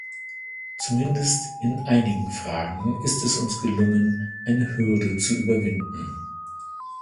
Zumindest in einigen Fragen ist es uns gelungen, eine Hürde zu überwinden.